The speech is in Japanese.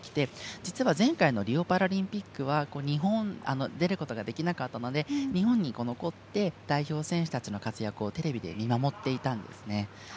実は前回のリオパラリンピックは出ることができなかったので日本に残って代表選手たちの活躍をテレビで見守っていたんですね。